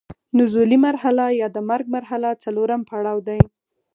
نزولي مرحله یا د مرګ مرحله څلورم پړاو دی.